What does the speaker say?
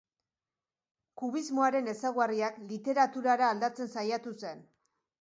Kubismoaren ezaugarriak literaturara aldatzen saiatu zen.